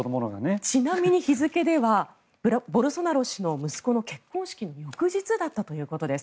ちなみに日付ではボルソナロ氏の息子の結婚式の翌日だったということです。